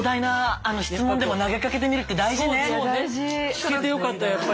聞けてよかったやっぱり。